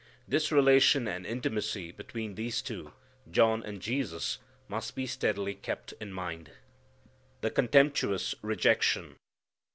This relation and intimacy between these two, John and Jesus, must be steadily kept in mind. The Contemptuous Rejection.